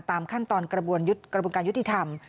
ตามขั้นตอนกระบวนการยุติธรรม